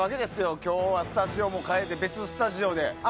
今日はスタジオも変えて別スタジオで。